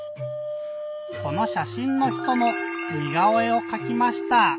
このしゃしんの人のにがおえをかきました。